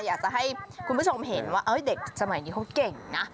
อยากจะให้คุณผู้ชมเห็นว่าเด็กสมัยนี้เขาเก่งนะ